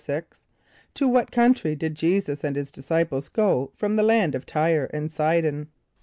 = To what country did J[=e]´[s+]us and his disciples go from the land of T[=y]re and S[=i]´d[)o]n?